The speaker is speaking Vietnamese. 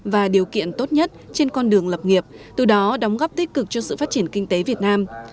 và điều kiện tốt nhất trên con đường lập nghiệp từ đó đóng góp tích cực cho sự phát triển kinh tế việt nam